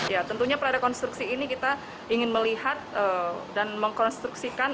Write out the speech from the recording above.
ya tentunya prarekonstruksi ini kita ingin melihat dan mengkonstruksikan